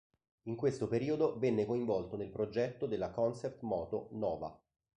In questo periodo venne coinvolto nel progetto della concept-moto "Nova".